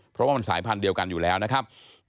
เพราะว่ามันสายพันธุ์เดียวกันอยู่แล้วนะครับ